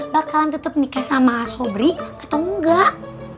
bakalan tetap nikah sama sobri atau enggak